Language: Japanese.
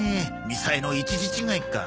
みさえの一字違いか。